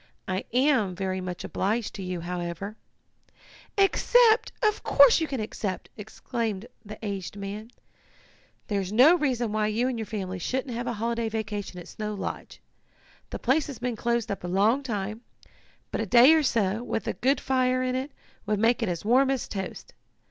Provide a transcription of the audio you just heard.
I am very much obliged to you, however " "Accept! Of course you can accept!" exclaimed the aged man. "There's no reason why you and your family shouldn't have a holiday vacation at Snow Lodge. The place has been closed up a long time, but a day or so, with a good fire in it, would make it as warm as toast.